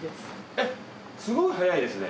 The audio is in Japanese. えっすごい早いですね。